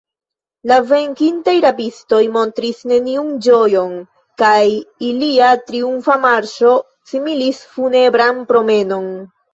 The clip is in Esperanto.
La venkintaj rabistoj montris neniun ĝojon, kaj ilia triumfa marŝo similis funebran promenon.